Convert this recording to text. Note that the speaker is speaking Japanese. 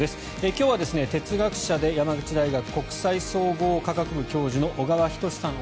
今日は哲学者で山口大学国際総合科学部教授の小川仁志さん